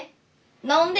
「何で？」